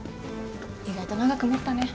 意外と長く持ったね。